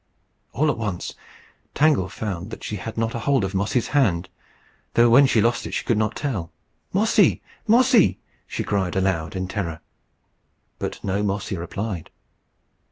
All at once Tangle found that she had not a hold of Mossy's hand, though when she lost it she could not tell. "Mossy, Mossy!" she cried aloud in terror. But no Mossy replied.